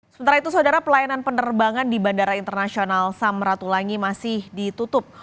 sementara itu saudara pelayanan penerbangan di bandara internasional samratulangi masih ditutup